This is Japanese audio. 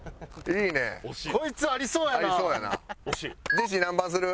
ジェシー何番にする？